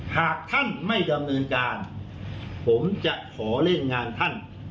หากท่านไม่ดำเนินการผมจะขอเล่นงานท่าน